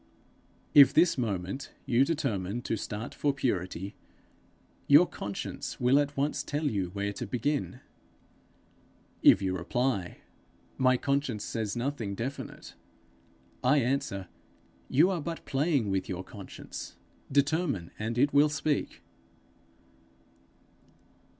If this moment you determine to start for purity, your conscience will at once tell you where to begin. If you reply, 'My conscience says nothing definite'; I answer, 'You are but playing with your conscience. Determine, and it will speak.'